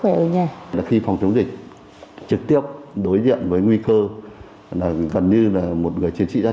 khỏe ở nhà khi phòng chống dịch trực tiếp đối diện với nguy cơ gần như là một người chiến sĩ ra